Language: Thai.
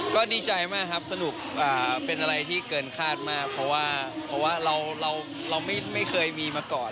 ก็ดีใจมากครับสนุกเป็นอะไรที่เกินคาดมากเพราะว่าเพราะว่าเราไม่เคยมีมาก่อน